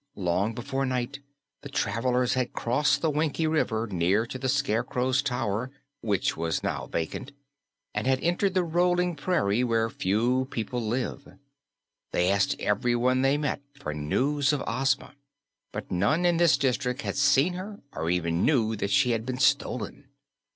Long before night the travelers had crossed the Winkie River near to the Scarecrow's Tower (which was now vacant) and had entered the Rolling Prairie where few people live. They asked everyone they met for news of Ozma, but none in this district had seen her or even knew that she had been stolen.